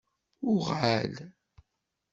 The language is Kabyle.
UƔal!